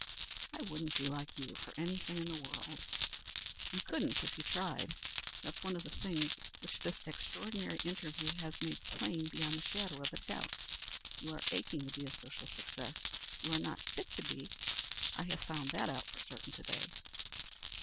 "I wouldn't be like you for anything in the world." "You couldn't if you tried. That's one of the things which this extraordinary interview has made plain beyond the shadow of a doubt. You are aching to be a social success. You are not fit to be. I have found that out for certain to day."